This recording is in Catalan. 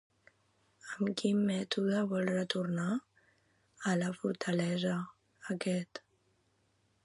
Amb quin mètode vol retornar a la fortalesa aquest?